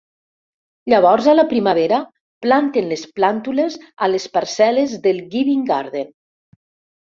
Llavors a la primavera, planten les plàntules a les parcel·les del Giving Garden.